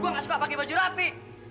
gue gak suka pakai baju rapi